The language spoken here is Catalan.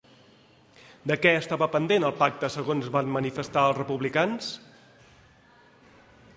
De què estava pendent el pacte segons van manifestar els republicans?